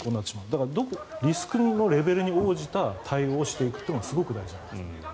だから、リスクのレベルに応じた対応をしていくのがすごい大事なんです。